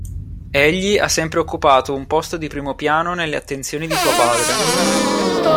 Egli ha sempre occupato un posto di primo piano nelle attenzioni di suo padre.